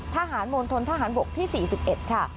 ทหารมณฑนทหารบกที่๔๑ค่ะ